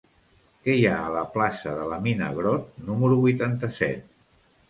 Què hi ha a la plaça de la Mina Grott número vuitanta-set?